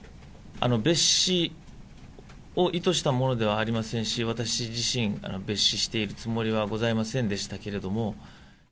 蔑視を意図したものではありませんし、私自身、蔑視しているつもりはありませんでしたけれども。